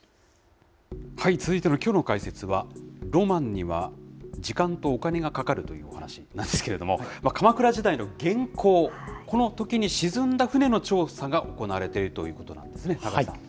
続いてのきょうの解説は、ロマンには時間とお金がかかるというお話なんですけれども、鎌倉時代の元寇、このときに沈んだ船の調査が行われているということなんですね。